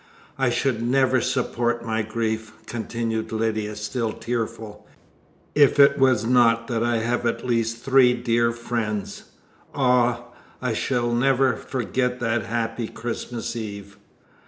"I should never support my grief," continued Lydia, still tearful, "if it was not that I have at least three dear friends. Ah! I shall never forget that happy Christmas Eve!"